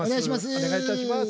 お願いします。